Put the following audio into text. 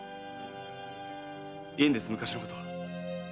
いいんです昔のことは。